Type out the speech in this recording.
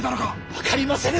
分かりませぬ！